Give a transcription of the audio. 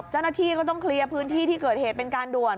เจ้าหน้าที่ก็ต้องเคลียร์พื้นที่ที่เกิดเหตุเป็นการด่วน